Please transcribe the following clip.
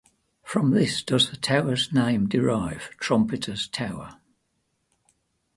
From this does the towers name derive, Trumpeters tower.